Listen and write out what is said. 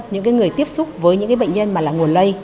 những người tiếp xúc với những bệnh nhân mà là nguồn lây